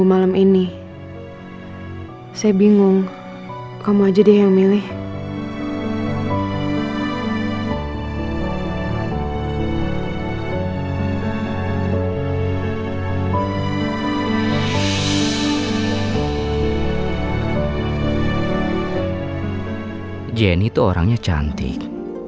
jenny itu orangnya cantik